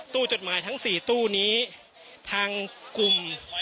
จดหมายทั้ง๔ตู้นี้ทางกลุ่ม